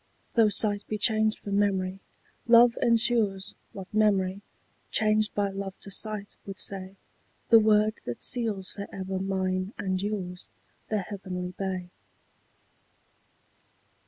Though sight be changed for memory, love ensures What memory, changed by love to sight, would say— The word that seals for ever mine and yours The heavenly bay.